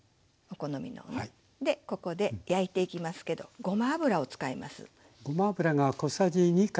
ここで焼いていきますけどごま油を使います。